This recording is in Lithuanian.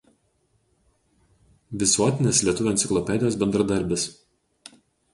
Visuotinės lietuvių enciklopedijos bendradarbis.